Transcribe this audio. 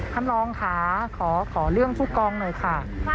ท่านรองค่ะขอเรื่องผู้กองหน่อยค่ะ